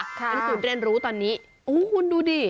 การเรียนรู้ตอนนี้โอ้โหคุณดูดิ